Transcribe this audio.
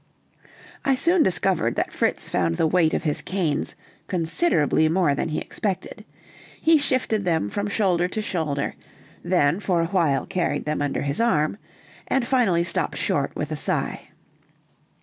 I soon discovered that Fritz found the weight of his canes considerably more than he expected: he shifted them from shoulder to shoulder, then for a while carried them under his arm, and finally stopped short with a sigh.